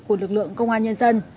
của lực lượng công an nhân dân